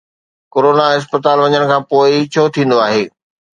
Corona اسپتال وڃڻ کان پوءِ ئي ڇو ٿيندو آهي؟